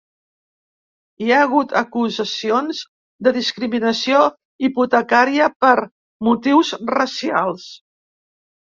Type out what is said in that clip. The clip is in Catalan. Hi ha hagut acusacions de discriminació hipotecària per motius racials.